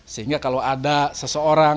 sehingga kalau ada seseorang